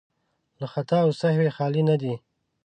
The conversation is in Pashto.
له خطا او سهوی خالي نه دي.